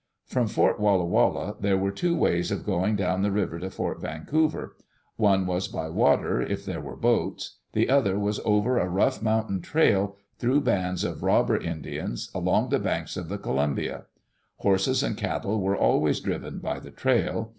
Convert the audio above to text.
From Fort Walla Walla there were two ways of going down the river to Fort Vancouver. One was by water, if there were boats; the other was over a rough mountain trail, through bands of robber Indians, along the banks Digitized by Google THE OREGON TRAIL of the Columbia. Horses and catde were always driven by the trail.